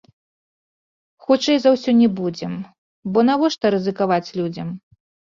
Хутчэй за ўсё, не будзем, бо навошта рызыкаваць людзям.